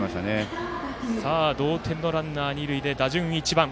同点のランナー二塁で打順１番。